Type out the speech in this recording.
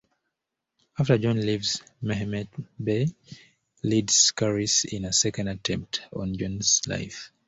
After John leaves, Mehemet Bey leads Kharis in a second attempt on John's life.